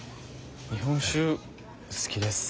日本酒好きです。